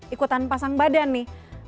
ikutan pasang badan nih